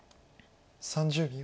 ３０秒。